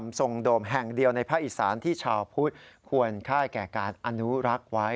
สถาปธิกรรมทรงโดมแห่งเดียวในพระอีสานที่ชาวพุทธควรค่าแก่การอนุรักษ์ไว้